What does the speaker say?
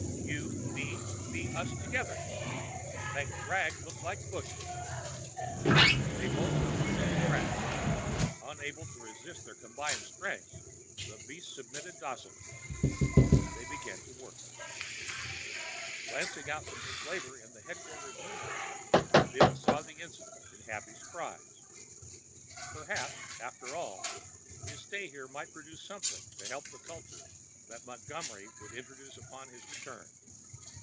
You, me be us together. Make thrag look like busher." They both took hold of the thrag. Unable to resist their combined strengths, the beast submitted docilely. They began to work. Glancing out from his labor in the headquarters pneuma hut, Bill saw the incident in happy surprise. Perhaps, after all, his stay here might produce something to help the culture that Montgomery would introduce upon his return.